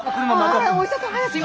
お医者さん早く。